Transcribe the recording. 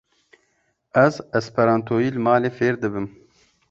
Ez esperantoyî li malê fêr dibim.